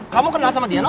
kamu kenal sama dia no